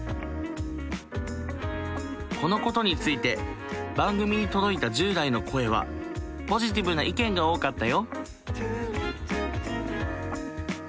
このことについて番組に届いた１０代の声はポジティブな意見が多かったよ。